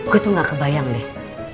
gue tuh gak kebayang deh